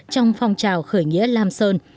trong phong trào khởi nghĩa lam sơn